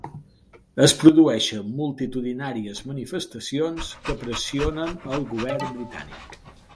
Es produeixen multitudinàries manifestacions, que pressionen el govern britànic.